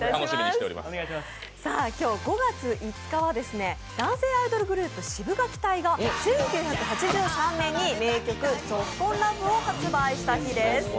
今日５月５日は男性アイドルグループ、シブがき隊が１９８３年に名曲「Ｚｏｋｋｏｎ命」を発売した日です。